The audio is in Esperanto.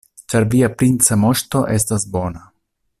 Ĉar via princa moŝto estas bona.